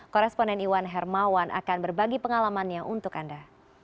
koresponen iwan hermawan akan berbagi pengalamannya untuk anda